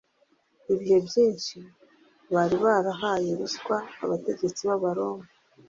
Ibihe byinshi bari barahaye ruswa abategetsi b’Abaroma